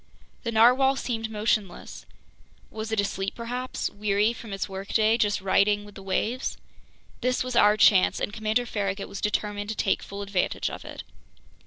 The narwhale seemed motionless. Was it asleep perhaps, weary from its workday, just riding with the waves? This was our chance, and Commander Farragut was determined to take full advantage of it.